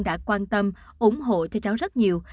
đã quan tâm ủng hộ cho cháu rất nhiều